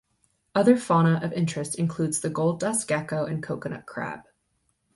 Other fauna of interest includes the gold-dust gecko and coconut crab.